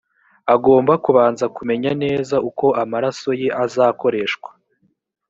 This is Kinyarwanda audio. agomba kubanza kumenya neza uko amaraso ye azakoreshwa